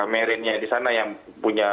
merinnya di sana yang punya